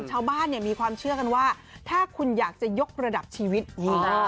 ชาวบ้านเนี่ยมีความเชื่อกันว่าถ้าคุณอยากจะยกระดับชีวิตนี่นะ